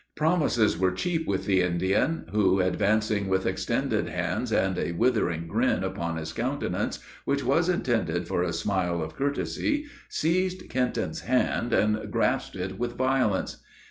Promises were cheap with the Indian, who, advancing, with extended hands and a withering grin upon his countenance, which was intended for a smile of courtesy, seized Kenton's hand and grasped it with violence.